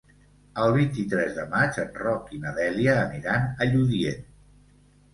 El vint-i-tres de maig en Roc i na Dèlia aniran a Lludient.